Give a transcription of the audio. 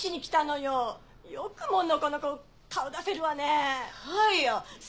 よくものこのこ顔出せるわね。